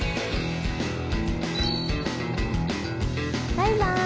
バイバイ！